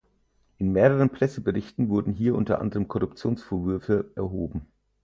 In mehreren Presseberichten wurden hier unter anderem Korruptionsvorwürfe erhoben.